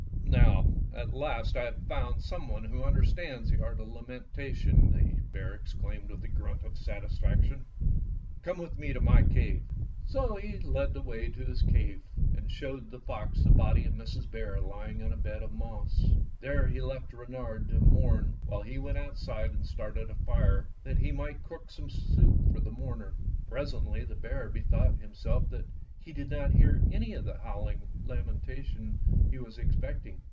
"Now at last I have found some one who understands the art of lamentation," the bear exclaimed with a grunt of satisfaction. "Come with me to my cave." So he led the way to his cave and showed the fox the body of Mrs. Bear lying on a bed of moss. There he left Reynard to mourn while he went outside and started a fire that he might cook some soup for the mourner. Presently the bear bethought himself that he did not hear any of the howling lamenta tion he was expecting.